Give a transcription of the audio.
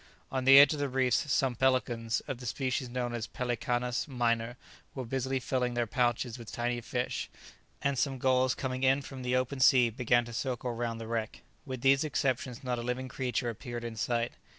On the edge of the reefs some pelicans (of the species known as pelicanus minor) were busily filling their pouches with tiny fish, and some gulls coming in from the open sea began to circle round the wreck: with these exceptions not a living creature appeared in sight.